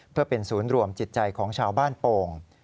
เพื่อเป็นศูนย์รวมจิตใจของชาวบ้านโป่ง